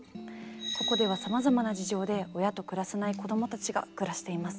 ここではさまざまな事情で親と暮らせない子どもたちが暮らしています。